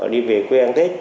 đi về quê ăn tết